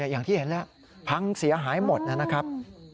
อย่างที่เห็นแล้วพังเสียหายหมดนะครับ